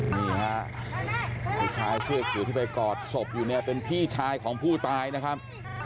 นี่ฮะผู้ชายเสื้อเขียวที่ไปกอดศพอยู่เนี่ยเป็นพี่ชายของผู้ตายนะครับ